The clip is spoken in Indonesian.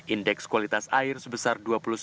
indeks kualitas air sebesar dua puluh sembilan